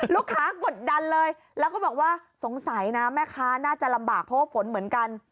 กดดันเลยแล้วก็บอกว่าสงสัยนะแม่ค้าน่าจะลำบากเพราะว่าฝนเหมือนกัน